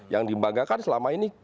yang dibanggakan selama ini